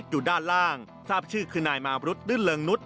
อยู่ด้านล่างทราบชื่อคือนายมาบรุษดื้นเริงนุษย